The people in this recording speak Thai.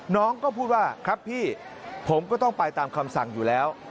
น้องก็พูดว่าครับพี่ผมก็ต้องไปตามคำสั่งอยู่แล้ว